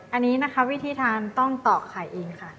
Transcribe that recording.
อันนี้นะคะวิธีทานต้องตอกไข่เองค่ะ